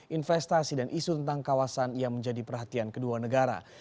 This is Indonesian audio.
investasi dan isu tentang kawasan yang menjadi perhatian kedua negara